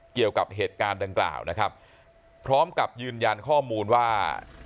เกี่ยวกับเหตุการณ์ดังกล่าวนะครับพร้อมกับยืนยันข้อมูลว่า